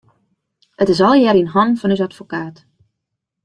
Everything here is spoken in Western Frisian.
It is allegearrre yn hannen fan ús advokaat.